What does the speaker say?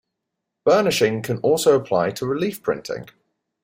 Burnishing can also apply to relief printing.